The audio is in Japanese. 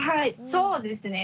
そうですね。